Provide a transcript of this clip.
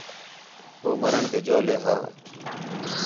ہو مَرݨ تے جَولے ھا